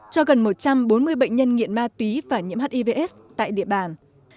cho gần một trăm bốn mươi bệnh nhân nghiện ma túy và nhiễm hiv aids